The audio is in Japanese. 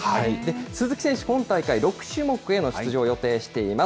鈴木選手、今大会、６種目への出場を予定しています。